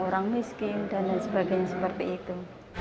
orang miskin dan lain sebagainya seperti itu